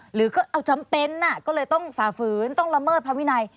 หรือก็เอาจำเป็นก็เลยต้องฝ่าฝืนต้องละเมิดพระวินัย